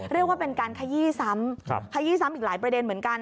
เรียกว่าเป็นการขยี้ซ้ำขยี้ซ้ำอีกหลายประเด็นเหมือนกัน